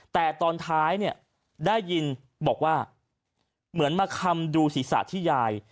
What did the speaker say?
แต่ตอนท้ายเนี่ยได้ยินบอกว่าเหมือนมาคำดูศีรษะที่ยาย